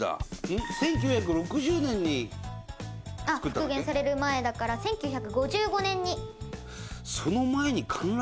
復元される前だから１９５５年に。